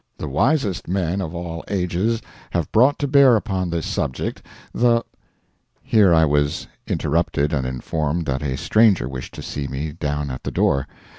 The wisest men of all ages have brought to bear upon this subject the [Here I was interrupted and informed that a stranger wished to see me down at the door.